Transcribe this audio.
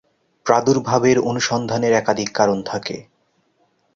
প্রাদুর্ভাবের অনুসন্ধানের একাধিক কারণ থাকে।